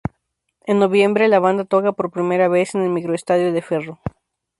En noviembre, la banda toca por primera vez en el Microestadio de Ferro.